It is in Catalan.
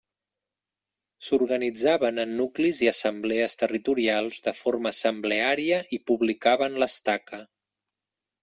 S'organitzaven en nuclis i assemblees territorials de forma assembleària i publicaven l'Estaca.